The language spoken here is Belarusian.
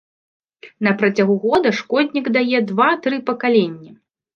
На працягу года шкоднік дае два-тры пакаленні.